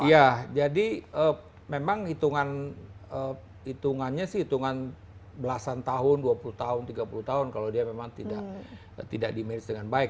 ya jadi memang hitungannya sih hitungan belasan tahun dua puluh tahun tiga puluh tahun kalau dia memang tidak di manage dengan baik